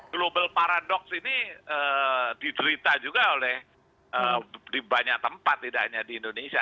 global paradox ini diderita juga oleh di banyak tempat tidak hanya di indonesia